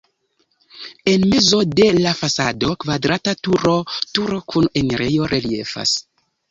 En mezo de la fasado kvadrata turo turo kun enirejo reliefas.